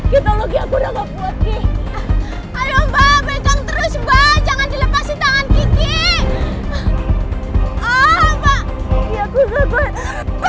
kita lagi aku nggak buat gini ayo mbak jangan dilepasin tangan gigi apa ya gue gue gue gue